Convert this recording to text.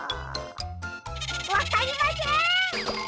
わかりません！